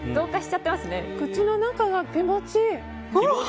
口の中が気持ちいい。